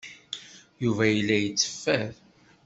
Yuba yella yetteffer.